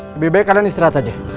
lebih baik kalian istirahat aja